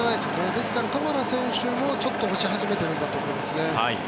ですからトマラ選手もちょっと落ち始めているんだと思います。